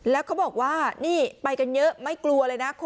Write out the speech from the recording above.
แล้วเขาบอกว่านี่ไปกันเยอะไม่กลัวเลยนะ